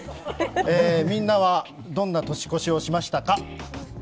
みんなは、どんな年越しをしましたか？